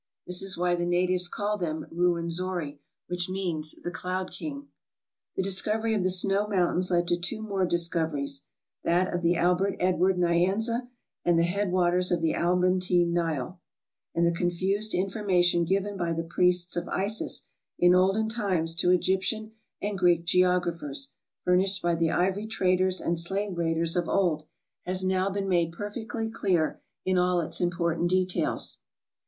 This is why the natives call them " Ruwenzori," which means "the Cloud King." The discovery of the Snow Mountains led to two more discoveries — that of the Albert Edward Nyanza, and the head waters of the Albertine Nile ; and the confused in formation given by the priests of Isis in olden times to Egyp tian and Greek geographers, furnished by the ivory traders and slave raiders of old, has now been made perfectly clear in all its important details.